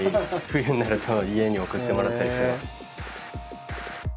冬になると家に送ってもらったりしてます。